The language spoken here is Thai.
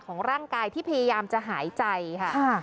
ของร่างกายที่พยายามจะหายใจค่ะ